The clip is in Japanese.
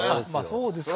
そうですよ